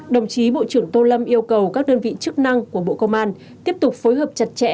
đồng chí bộ trưởng tô lâm yêu cầu các đơn vị chức năng của bộ công an tiếp tục phối hợp chặt chẽ